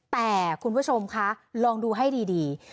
แต่คุณผู้ชมคะลองดูให้ดี